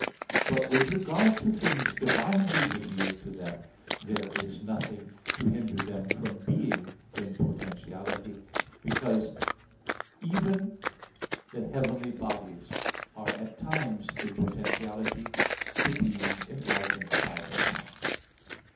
But with regard to things divinely revealed to them, there is nothing to hinder them from being in potentiality: because even the heavenly bodies are at times in potentiality to being enlightened by the sun.